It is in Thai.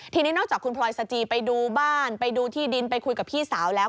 ทีนี้นอกจากคุณพลอยสจีไปดูบ้านไปดูที่ดินไปคุยกับพี่สาวแล้ว